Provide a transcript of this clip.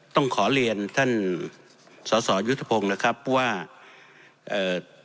ต้องขอเรียนท่านสอสอยุทธพงศ์นะครับว่าเอ่อ